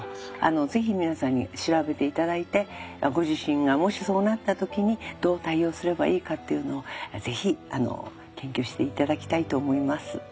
ぜひ皆さんに調べて頂いてご自身がもしそうなった時にどう対応すればいいかっていうのをぜひ研究して頂きたいと思います。